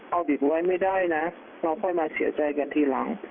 เอาบิดไว้ไม่ได้นะเราค่อยมาเสียใจกันทีหลัง